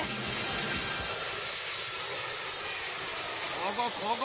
ここここ！